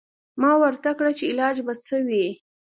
ما ورته کړه چې علاج به څه وي.